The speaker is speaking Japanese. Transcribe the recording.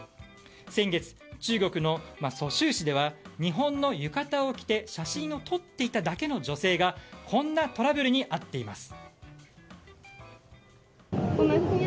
先月、中国の蘇州市では日本の浴衣を着て写真を撮っていただけの女性がこんなトラブルに遭っています。